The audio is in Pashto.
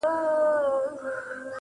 خوبيا هم ستا خبري پټي ساتي,